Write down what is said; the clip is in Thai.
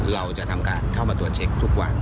เราจะทำการเข้ามาตรวจเช็คทุกวัน